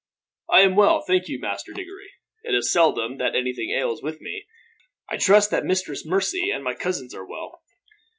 "I am well, I thank you, Master Diggory. It is seldom that anything ails with me. I trust that Mistress Mercy and my cousins are well."